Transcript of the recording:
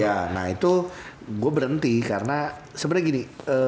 jadi gue berhenti karena sebenernya gini